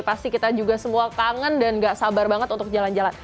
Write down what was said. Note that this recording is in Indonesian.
pasti kita juga semua kangen dan gak sabar banget untuk jalan jalan